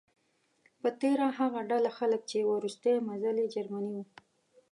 په تیره هغه ډله خلک چې وروستی منزل یې جرمني و.